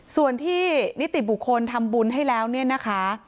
ส่วนที่นิติบุคคลทำบุญให้แล้วเนี่ยนะคะ